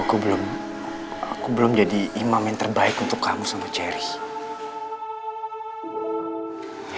aku belum aku belum jadi imam yang terbaik untuk kamu sama cherry